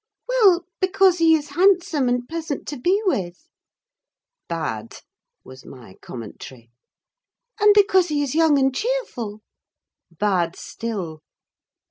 "Well, because he is handsome, and pleasant to be with." "Bad!" was my commentary. "And because he is young and cheerful." "Bad, still."